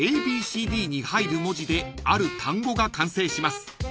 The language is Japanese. ［ＡＢＣＤに入る文字である単語が完成します］